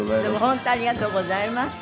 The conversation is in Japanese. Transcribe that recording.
本当ありがとうございました。